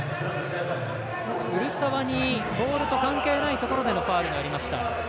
古澤にボールと関係ないところでファウルがありました。